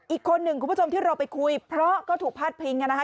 อีกคนหนึ่งคุณผู้ชมที่เราไปคุยเพราะก็ถูกพาดพิงกันนะคะ